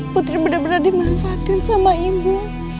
putri bener bener dimanfaatin sama ibu